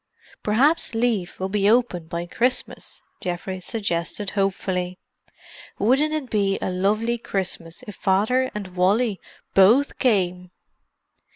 "'Praps leave will be open by Christmas," Geoffrey suggested hopefully. "Wouldn't it be a lovely Christmas if Father and Wally both came?"